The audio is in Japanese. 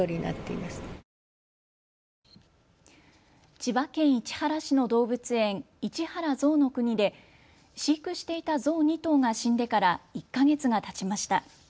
千葉県市原市の動物園、市原ぞうの国で飼育していたゾウ２頭が死んでから１か月がたちました。